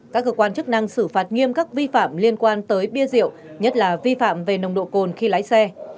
các cơ quan chức năng xử phạt nghiêm các vi phạm liên quan tới bia rượu nhất là vi phạm về nồng độ cồn khi lái xe